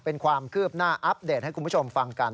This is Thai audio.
เป็นความคืบหน้าอัปเดตให้คุณผู้ชมฟังกัน